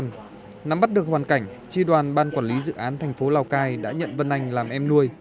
nhưng nắm bắt được hoàn cảnh tri đoàn ban quản lý dự án thành phố lào cai đã nhận vân anh làm em nuôi